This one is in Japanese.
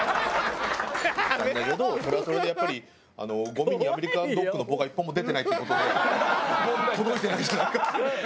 それはそれでやっぱりゴミにアメリカンドッグの棒が１本も出てないっていう事で届いてないんじゃないか。